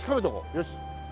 よし。